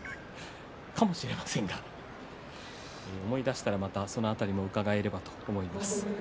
かもしれませんが思い出したらその辺り伺えればと思います。